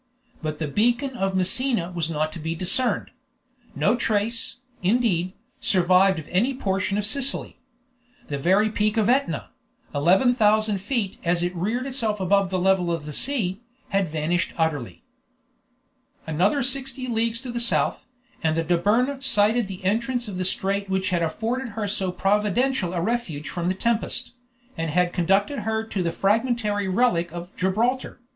But the beacon of Messina was not to be discerned; no trace, indeed, survived of any portion of Sicily; the very peak of Etna, 11,000 feet as it had reared itself above the level of the sea, had vanished utterly. Another sixty leagues to the south, and the Dobryna sighted the entrance of the strait which had afforded her so providential a refuge from the tempest, and had conducted her to the fragmentary relic of Gibraltar.